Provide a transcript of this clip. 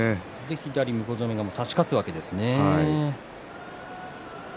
左の向正面側差し勝つわけですね。